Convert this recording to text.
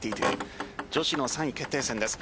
女子の３位決定戦です。